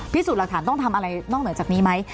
พิสูจน์หลักฐานต้องทำอะไรนอกเหนือจากนี้ไหม